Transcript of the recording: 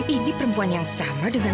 idi perempuan yang sama dengan